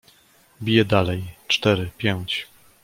"Bije dalej: cztery, pięć!"